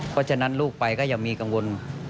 เพราะฉะนั้นลูกไปก็อย่ามีกังวล